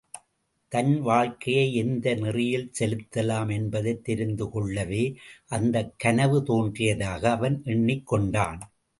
தன் வாழ்க்கையை எந்த நெறியில் செலுத்தலாம் என்பதைத் தெரிந்துகொள்ளவே அந்தக் கனவு தோன்றியதாக அவன் எண்ணிக்கொண்டான்.